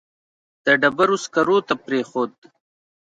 د ډبرو سکرو ته پرېښود.